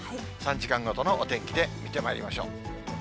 ３時間ごとのお天気で見てまいりましょう。